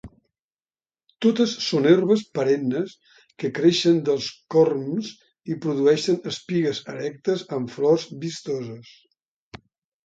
Totes són herbes perennes que creixen dels corms i produeixen espigues erectes amb flors vistoses.